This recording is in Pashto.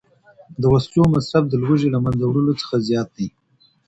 د وسلو مصرف د لوږې له منځه وړلو څخه زیات دی